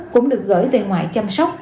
cũng được chống dịch